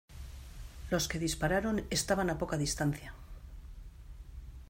los que dispararon estaban a poca distancia.